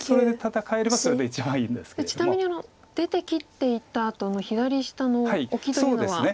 ちなみに出て切っていったあとの左下のオキというのは。